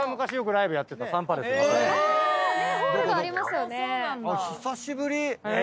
久しぶり！